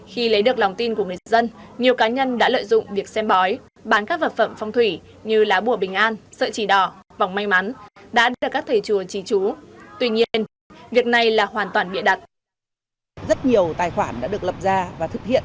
khi lấy được lòng tin của người dân nhiều cá nhân đã lợi dụng việc xem bói bán các vật phẩm phong thủy như lá bùa bình an sợi chỉ đỏ vòng may mắn đã đưa các thầy chùa trí chú